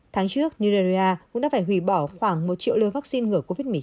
tháng trước nigeria cũng đã phải hủy bỏ khoảng một triệu liều vaccine ngừa covid một mươi chín